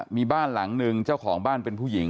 มีบ้านหลังหนึ่งเจ้าของบ้านเป็นผู้หญิง